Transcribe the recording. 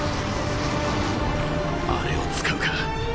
あれを使うか。